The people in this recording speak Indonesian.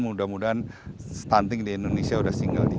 mudah mudahan stunting di indonesia sudah single